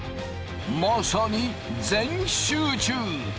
まさに全集中！